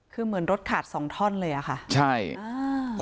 คือเหมือนรถขาดสองท่อนเลยอ่ะค่ะใช่อ่า